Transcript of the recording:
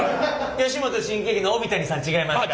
吉本新喜劇の帯谷さん違いますから。